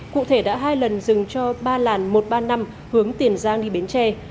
cụ thể đã hai lần dừng cho ba làn một trăm ba mươi năm hướng tiền giang đi bến tre